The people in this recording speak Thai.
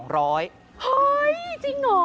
เฮ้ยจริงเหรอ